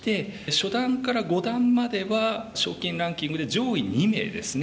初段から五段までは賞金ランキングで上位２名ですね